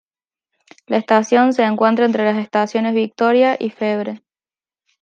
La estación se encuentra entre las estaciones Victoria y Febre.